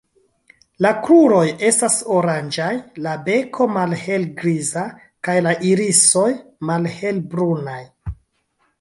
La kruroj estas oranĝaj, la beko malhelgriza kaj la irisoj malhelbrunaj.